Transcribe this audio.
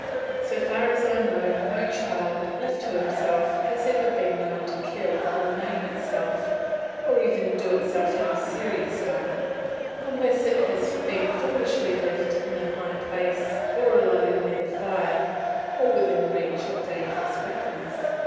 So far as I know, no child, left to himself, has ever been known to kill or maim itself, or even to do itself any serious harm, unless it has been foolishly left on a high place, or alone near the fire, or within reach of dangerous weapons.